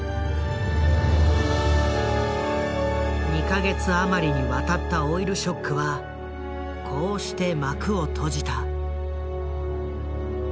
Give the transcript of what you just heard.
２か月余りにわたったオイルショックはこうして幕を閉じた。